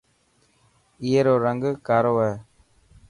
اي رو رنگ ڪارو هي.